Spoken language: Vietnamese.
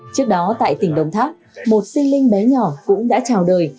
trước đó tại tỉnh đồng tháp một sinh linh bé nhỏ cũng đã trào đời